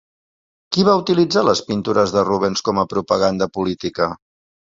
Qui va utilitzar les pintures de Rubens com a propaganda política?